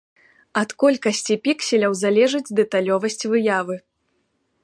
Ад колькасці пікселяў залежыць дэталёвасць выявы.